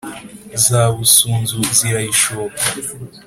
za busunzu zirayishoka.